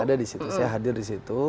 ada di situ saya hadir di situ